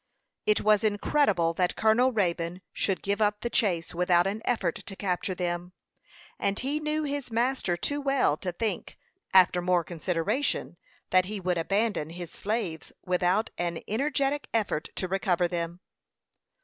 It was incredible that Colonel Raybone should give up the chase without an effort to capture them; and he knew his master too well to think, after more consideration, that he would abandon his slaves without an energetic effort to recover them.